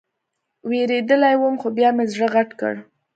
وېرېدلى وم خو بيا مې زړه غټ کړ.